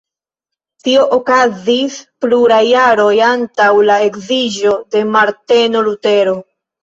Tio okazis pluraj jaroj antaŭ la edziĝo de Marteno Lutero.